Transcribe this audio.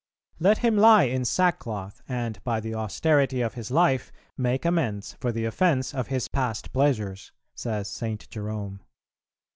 "Let him lie in sackcloth, and by the austerity of his life make amends for the offence of his past pleasures," says St. Jerome.